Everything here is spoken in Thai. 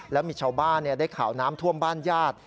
แล้วมีชาวบ้านได้ข่าวน้ำท่วมบ้านญาติ